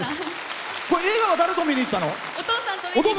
映画は誰と見に行ったの？